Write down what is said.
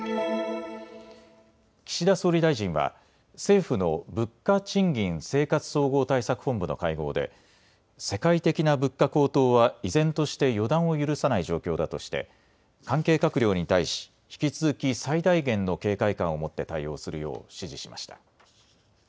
岸田総理大臣は政府の物価・賃金・生活総合対策本部の会合で世界的な物価高騰は依然として予断を許さない状況だとして関係閣僚に対し引き続き最大限の警戒感を持って対応するよう指示しました。